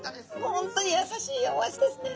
本当に優しいお味ですね。